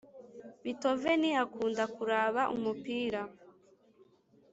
bitoveni akunda kuraba umupira